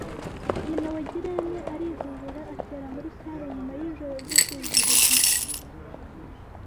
Nyina wa Girene arihorera atera muri sale nyuma yijoro ryo kwizihiza